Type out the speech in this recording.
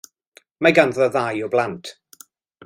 Mae ganddo ddau o blant.